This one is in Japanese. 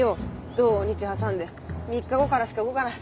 土日挟んで３日後からしか動かない。